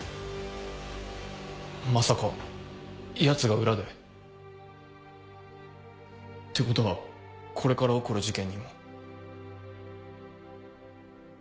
まさかヤツが裏で？ってことはこれから起こる事件にも。